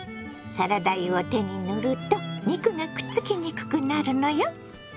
サラダ油を手に塗ると肉がくっつきにくくなるのよ。